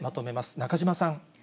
中島さん。